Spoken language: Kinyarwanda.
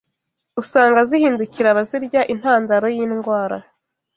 usanga zihindukira abazirya, intandaro y’indwara